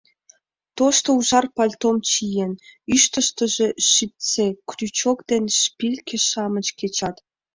Тошто ужар пальтом чиен, ӱштыштыжӧ шипце, крючок ден шпильке-шамыч кечат.